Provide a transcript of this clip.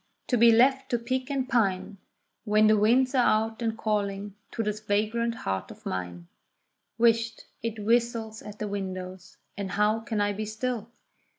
to be left to pique and pine, When the winds are out and calling to this vagrant heart of mine. Whisht! it whistles at the windows, and how can I be still?